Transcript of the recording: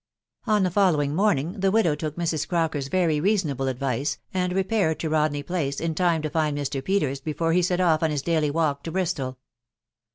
On the following morning the widow took Mrs. Crocker's very reasonable advice, and repaired to Rodney Place in time to find Mr. Peters before he set off on his daily walk to Bristol.